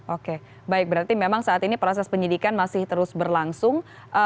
oke baik berarti memang saat ini proses penyidikan masih terus berlangsung